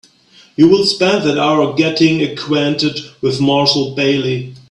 You will spend that hour getting acquainted with Marshall Bailey.